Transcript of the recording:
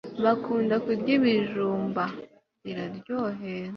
bakunda kurya ibijumba iraryohera